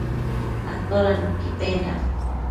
Atoda nuqui pendac?